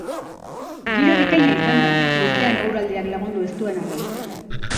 Giro bikaina izan da, goizean eguraldiak lagundu ez duen arren.